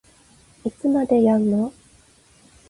いつまでやんの